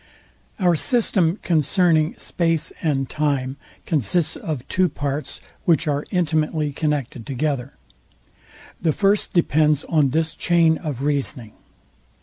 Our system concerning space and time consists of two parts, which are intimately connected together. The first depends on this chain of reasoning.